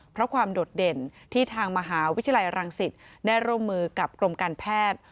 เพราะความโดดเด่นที่ทางมหาวิทยาลัยรังสิตได้ร่วมมือกับกรมการแพทย์